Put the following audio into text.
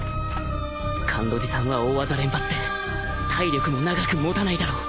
甘露寺さんは大技連発で体力も長く持たないだろう